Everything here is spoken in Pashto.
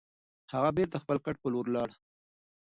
هغه بېرته د خپل کټ په لور لاړ.